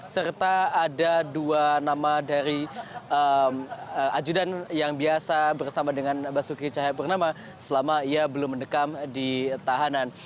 serta ada dua nama dari ajudan yang biasa bersama dengan basuki cahayapurnama selama ia belum mendekam di tahanan